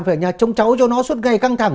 phải ở nhà trông cháu cho nó suốt ngày căng thẳng